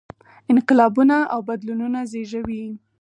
انقلابونه او بدلونونه زېږوي.